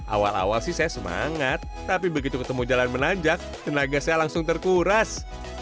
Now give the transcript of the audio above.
awal awal sih saya semangat tapi begitu ketemu jalan menanjak tenaga saya langsung terkuras